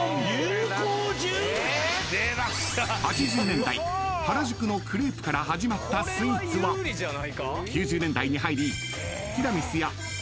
［８０年代原宿のクレープから始まったスイーツは９０年代に入り］